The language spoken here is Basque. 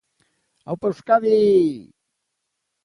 Aupaaa euskadiiiiiiii!!!